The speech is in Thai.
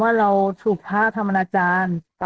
ว่าเราถูกภาพทางวันอาจารย์